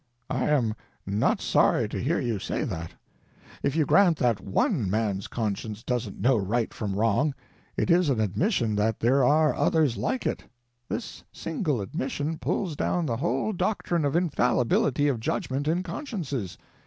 I am not sorry to hear you say that. If you grant that one man's conscience doesn't know right from wrong, it is an admission that there are others like it. This single admission pulls down the whole doctrine of infallibility of judgment in consciences.